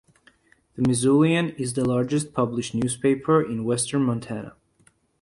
The "Missoulian" is the largest published newspaper in western Montana.